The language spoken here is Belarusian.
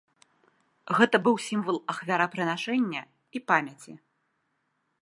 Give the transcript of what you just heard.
Гэта быў сімвал ахвярапрынашэння і памяці.